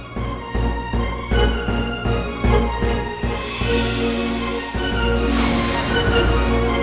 aku tidak bisa melawan diriku sendiri